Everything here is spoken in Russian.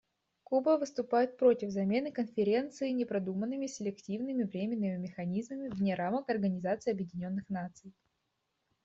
Куба выступает против замены Конференции непродуманными, селективными, временными механизмами вне рамок Организации Объединенных Наций.